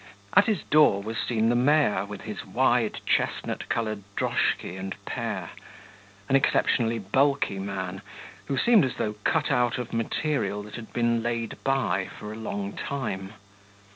At his door was seen the mayor with his wide chestnut coloured droshky and pair an exceptionally bulky man, who seemed as though cut out of material that had been laid by for a long time.